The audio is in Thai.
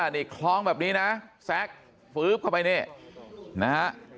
นี่คล้องแบบนี้นะ